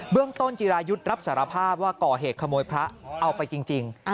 เรื่องต้นจิรายุทธ์รับสารภาพว่าก่อเหตุขโมยพระเอาไปจริง